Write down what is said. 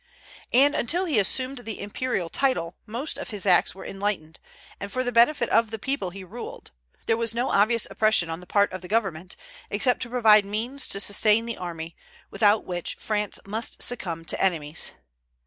And until he assumed the imperial title most of his acts were enlightened, and for the benefit of the people he ruled; there was no obvious oppression on the part of government, except to provide means to sustain the army, without which France must succumb to enemies.